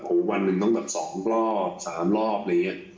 โอ้ววันหนึ่งต้องแบบสองรอบสามรอบอะไรอย่างเงี้ย